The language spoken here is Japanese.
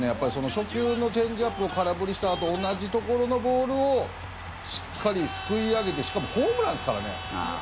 初球のチェンジアップを空振りしたあと同じところのボールをしっかりすくい上げてしかもホームランですからね。